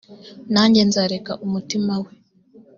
nanjye nzareka umutima we